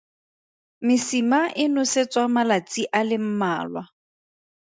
Mesima e nosetswa malatsi a le mmalwa.